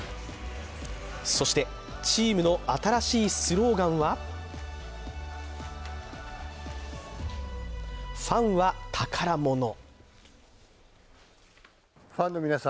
そして、チームの新しいスローガンは「ファンは宝物」。